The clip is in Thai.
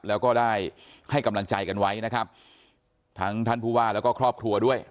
แล้วก็ได้ให้กำลังใจกันไว้นะครับทั้งท่านผู้ว่าแล้วก็ครอบครัวด้วย